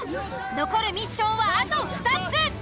残るミッションはあと２つ。